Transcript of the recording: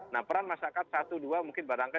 nah peran masyarakat satu dua mungkin barangkali